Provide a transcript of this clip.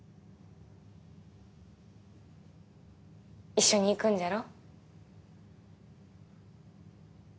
一緒に行くんじゃろ？